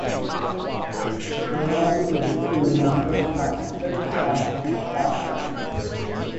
Grand Duke Jean now lives at Fischbach Castle.